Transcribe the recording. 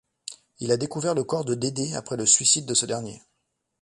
Il a découvert le corps de Dédé après le suicide de ce dernier.